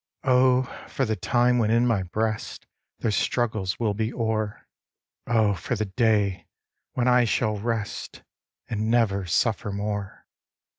Oh, for the time, when in my breast Their struggles will be o'er! Oh, for the day, when I shall rest, And never suffer more!"